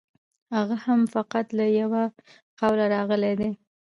هغه هم فقط له یوه قوله راغلی دی.